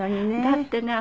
だってね